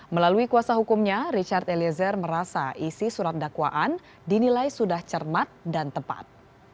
melalui kuasa hukumnya richard eliezer merasa isi surat dakwaan dinilai sudah cermat dan tepat